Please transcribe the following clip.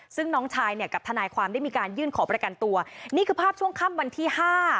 ซึ่งน้องชายเนี่ยกับทนายความได้มีการยื่นขอประกันตัวนี่คือภาพช่วงค่ำวันที่ห้า